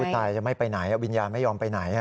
ตายจะไม่ไปไหนวิญญาณไม่ยอมไปไหน